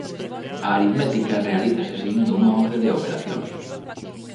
A aritmética realízase seguindo unha orde de operacións.